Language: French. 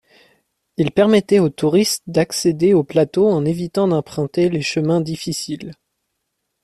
Il permettait aux touristes d’accéder au plateau en évitant d'emprunter les chemins difficiles.